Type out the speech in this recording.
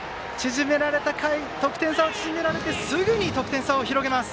得点差を縮められてすぐに得点差を広げます。